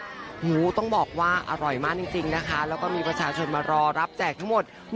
โอ้โหต้องบอกว่าอร่อยมากจริงนะคะแล้วก็มีประชาชนมารอรับแจกทั้งหมด